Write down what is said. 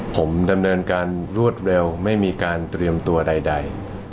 ผมดำเนินการรวดเร็วไม่มีการเตรียมตัวใด